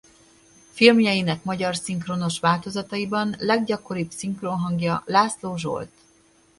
Filmjeinek magyar szinkronos változataiban leggyakoribb szinkronhangja László Zsolt.